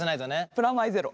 プラマイゼロ。